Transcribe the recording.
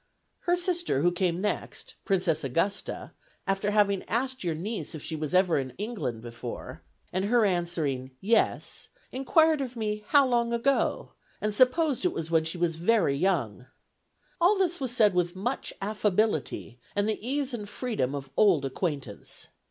Her sister, who came next, Princess Augusta, after having asked your niece if she was ever in England before, and her answering, 'Yes,' inquired of me how long ago, and supposed it was when she was very young. And all this is said with much affability, and the ease and freedom of old acquaintance.